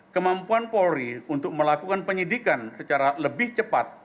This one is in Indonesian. kemampuan polri untuk melakukan penyidikan secara lebih cepat dan lebih cepat